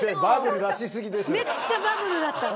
めっちゃバブルだったの。